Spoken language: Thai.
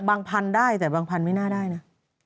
บางพันธุ์ได้แต่บางพันธุ์ไม่น่าได้นะ